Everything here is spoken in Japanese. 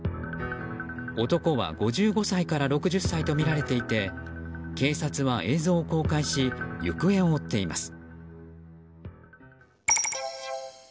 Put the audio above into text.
男は５５歳から６０歳とみられていて警察は映像を公開し行方を追っています。